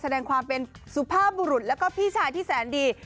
แสดงความเป็นสุภาพบุรุษแล้วก็พี่ชายที่แสนดี